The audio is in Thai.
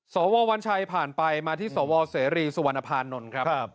สววัญชัยผ่านไปมาที่สวเสรีสุวรรณภานนท์ครับ